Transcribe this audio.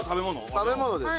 食べ物です。